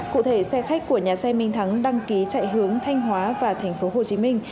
cụ thể xe khách của nhà xe minh thắng đăng ký chạy hướng thanh hóa và thành phố hồ chí minh